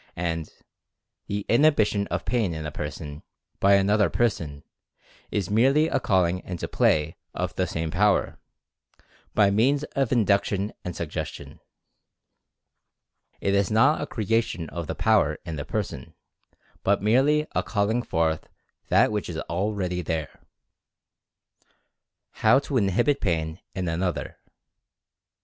And, the inhibition of pain in a person, by another person, is merely a calling into play of the same power, by means of induction and suggestion. Experiments in Induced Sensation 121 It is not a creation of the power in the person, but merely a calling forth that which is already there. HOW TO INHIBIT PAIN IN ANOTHER.